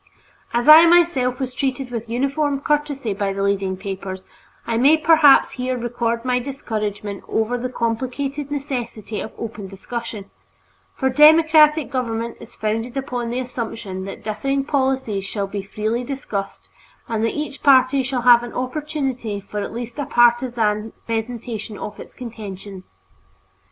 As I myself was treated with uniform courtesy by the leading papers, I may perhaps here record my discouragement over this complicated difficulty of open discussion, for democratic government is founded upon the assumption that differing policies shall be freely discussed and that each party shall have an opportunity for at least a partisan presentation of its contentions.